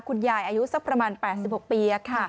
คุณยายอายุสักประมาณ๘๖ปี